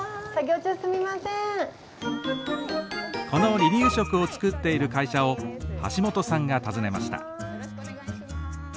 この離乳食を作っている会社を橋本さんが訪ねました。